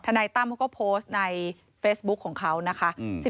นายตั้มเขาก็โพสต์ในเฟซบุ๊คของเขานะคะ